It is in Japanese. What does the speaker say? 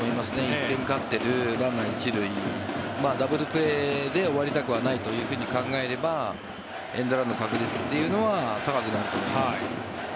１点勝ってる、ランナー１塁ダブルプレーで終わりたくはないと考えればエンドランの確率というのは高くなると思います。